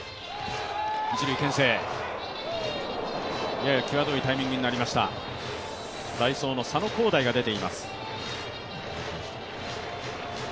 ややきわどいタイミングになりました、代走の佐野皓大が出ています。